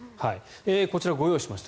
こちら、ご用意しました。